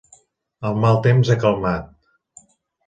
El mal temps ha calmat.